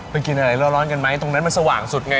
ไปกินอะไรเล่าร้อนร้อนกันไหมตรงนั้นมันสว่างสุดไง